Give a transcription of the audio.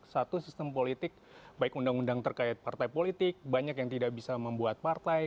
satu sistem politik baik undang undang terkait partai politik banyak yang tidak bisa membuat partai